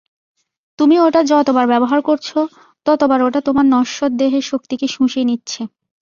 তুমি ওটা যতবার ব্যবহার করছ, ততোবার ওটা তোমার নশ্বর দেহের শক্তিকে শুঁষে নিচ্ছে।